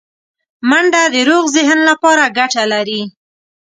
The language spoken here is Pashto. منډه د روغ ذهن لپاره ګټه لري